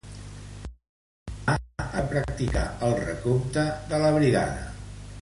L'endemà, es va practicar el recompte de la brigada.